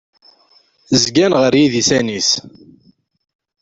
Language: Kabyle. Zgan ɣer yidisan-is.